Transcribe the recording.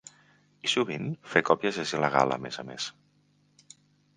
I sovint fer còpies és il·legal, a més a més.